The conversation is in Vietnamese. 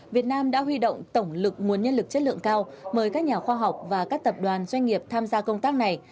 việt nam đã huy động tổng lực nguồn nhân lực chất lượng cao mời các nhà khoa học và các tập đoàn doanh nghiệp tham gia công tác này